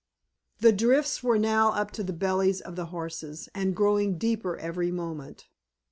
The drifts were now up to the bellies of the horses, and growing deeper every moment.